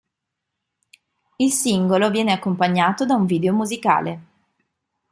Il singolo viene accompagnato da un video musicale.